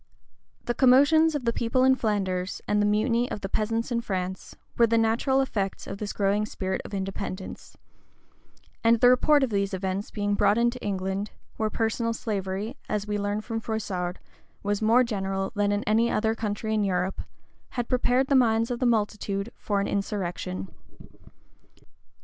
The commotions of the people in Flanders, the mutiny of the peasants in France, were the natural effects of this growing spirit of independence; and the report of these events being brought into England, where personal slavery, as we learn from Froissard,[*] was more general than in any other country in Europe, had prepared the minds of the multitude for an insurrection.